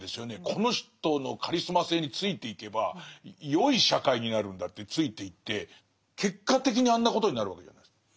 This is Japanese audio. この人のカリスマ性についていけばよい社会になるんだってついていって結果的にあんなことになるわけじゃないですか。